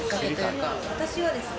私はですね、